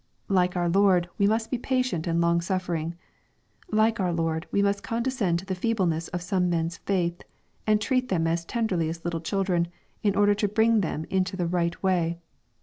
Like our Lord, we must be patient and long suffering. Like our Lord, we must condescend to the feebleness of some men's faith, and treat them as tenderly as little children, in order to bring them into the right way.